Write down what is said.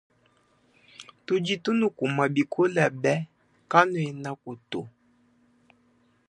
Tudi tunukuma bikole be kanuenaku to.